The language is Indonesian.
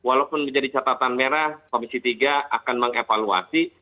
walaupun menjadi catatan merah komisi tiga akan mengevaluasi